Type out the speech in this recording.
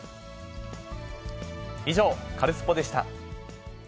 以上、カルスポっ！でした。